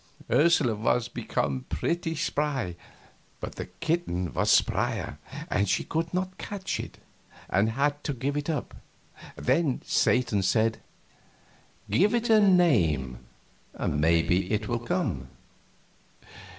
Ursula was become pretty spry, but the kitten was spryer, and she could not catch it, and had to give it up. Then Satan said: "Give it a name, and maybe it will come."